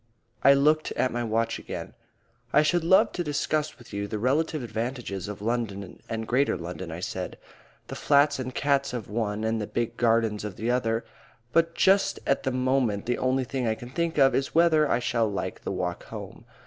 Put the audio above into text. I looked at my watch again. "I should love to discuss with you the relative advantages of London and Greater London," I said; "the flats and cats of one and the big gardens of the other. But just at the moment the only thing I can think of is whether I shall like the walk home.